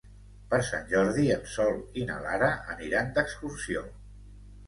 Per Sant Jordi en Sol i na Lara aniran d'excursió.